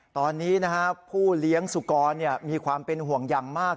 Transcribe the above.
ตอนนี้ผู้เลี้ยงสุกรมีความเป็นห่วงอย่างมาก